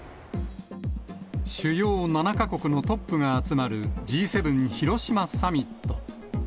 主要７か国のトップが集まるＧ７広島サミット。